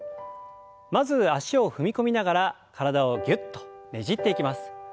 まず脚を踏み込みながら体をぎゅっとねじっていきます。